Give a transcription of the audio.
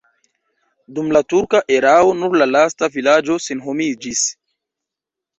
Dum la turka erao nur la lasta vilaĝo senhomiĝis.